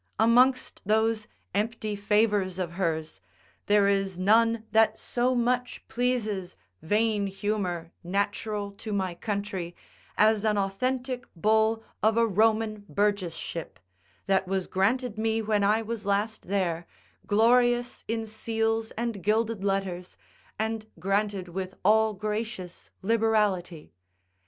Amongst those empty favours of hers, there is none that so much pleases vain humour natural to my country, as an authentic bull of a Roman burgess ship, that was granted me when I was last there, glorious in seals and gilded letters, and granted with all gracious liberality.